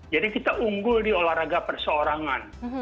jadi kita unggul di olahraga perseorangan